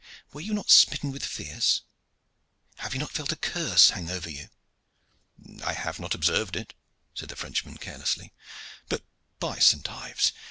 Were you not smitten with fears? Have you not felt a curse hang over you?" "I have not observed it," said the Frenchman carelessly. "But by Saint Ives!